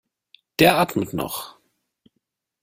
Der atmet noch.